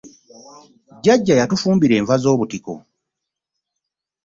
Jjaja yatufumbira enva zobutiko.